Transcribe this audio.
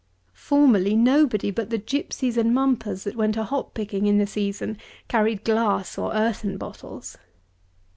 Formerly, nobody but the gypsies and mumpers, that went a hop picking in the season, carried glass or earthen bottles.